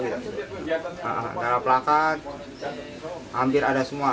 dalam plakat hampir ada semua